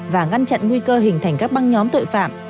và ngăn chặn nguy cơ hình thành các băng nhóm tội phạm